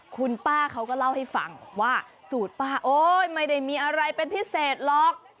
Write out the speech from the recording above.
คุณป้าเขาก็เล่าให้ฟังว่าสูตรป้าโอ๊ยไม่ได้มีอะไรเป็นพิเศษหรอก